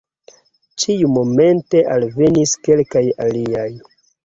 Ĉiumomente alvenis kelkaj aliaj.